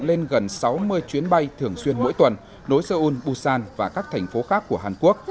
lên gần sáu mươi chuyến bay thường xuyên mỗi tuần nối seoul busan và các thành phố khác